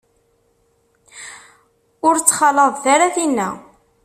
Ur ttxalaḍet ara tinna.